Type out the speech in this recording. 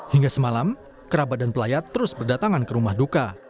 hingga semalam kerabat dan pelayat terus berdatangan ke rumah duka